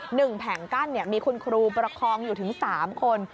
หนึ่งแผงกั้นมีคุณครูประคองอยู่ถึง๓คน